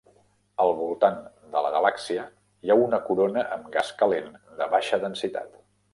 Al voltant de la galàxia hi ha una corona amb gas calent de baixa densitat.